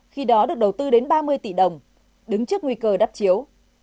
khi đó được đầu tư đến ba mươi tỷ đồng đứng trước nguy cơ đắp chiếu